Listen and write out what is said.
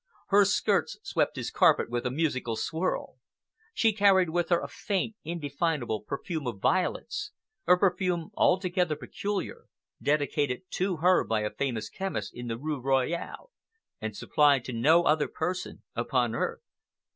Her skirts swept his carpet with a musical swirl. She carried with her a faint, indefinable perfume of violets,—a perfume altogether peculiar, dedicated to her by a famous chemist in the Rue Royale, and supplied to no other person upon earth.